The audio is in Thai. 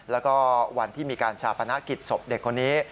และวันที่มีการชาปนาคิดศพเด็กคนนี้